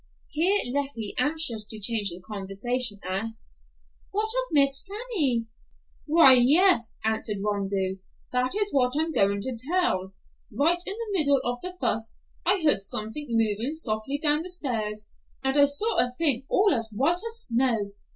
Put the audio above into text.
Here Leffie, anxious to change the conversation, asked, "What of Miss Fanny?" "Why, yes," answered Rondeau, "that's what I'm going to tell. Right in the middle of the fuss I heard something moving softly down the stairs, and I saw a thing all as white as snow.